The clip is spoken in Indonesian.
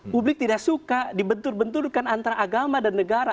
publik tidak suka dibentur benturkan antara agama dan negara